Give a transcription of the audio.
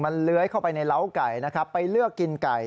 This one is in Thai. มันเลื้อยเข้าไปในเล้าไก่นะครับไปเลือกกินไก่